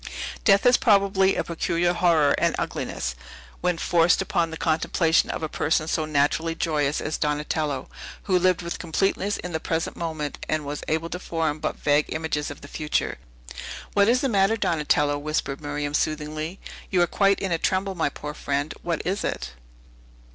Death has probably a peculiar horror and ugliness, when forced upon the contemplation of a person so naturally joyous as Donatello, who lived with completeness in the present moment, and was able to form but vague images of the future. "What is the matter, Donatello?" whispered Miriam soothingly. "You are quite in a tremble, my poor friend! What is it?"